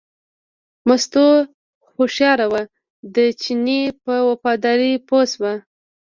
مستو هوښیاره وه، د چیني په وفادارۍ پوه شوه.